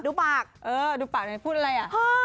นี่ดูปากพูดอะไร